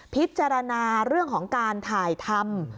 พิจารณาเรื่องของการถ่ายทำ